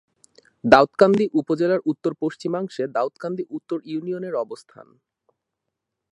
দাউদকান্দি উপজেলার উত্তর-পশ্চিমাংশে দাউদকান্দি উত্তর ইউনিয়নের অবস্থান।